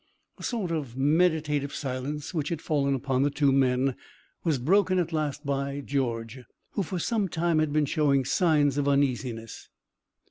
A sort of meditative silence which had fallen upon the two men was broken at last by George, who for some time had been showing signs of uneasiness.